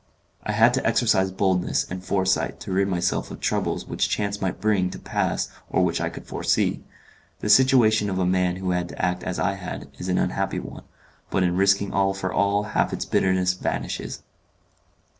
I had to exercise boldness and foresight to rid myself of troubles which chance might bring to pass or which I could foresee. The situation of a man who had to act as I had, is an unhappy one, but in risking all for all half its bitterness vanishes.